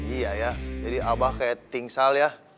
iya ya jadi abah kayak pingsal ya